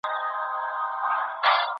ایا افغان سوداګر پسته ساتي؟